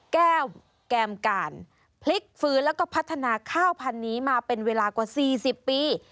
แก้มการพลิกฟื้นแล้วก็พัฒนาข้าวพันธุ์นี้มาเป็นเวลากว่า๔๐ปี